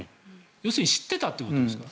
要するに知っていたということですか？